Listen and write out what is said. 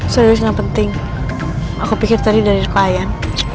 serius yang penting aku pikir tadi dari klien